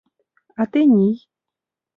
А тений?